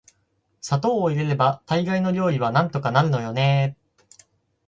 砂糖を入れれば大概の料理はなんとかなるのよね～